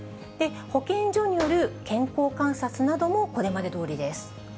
保健所による健康観察なども、これまでどおりです。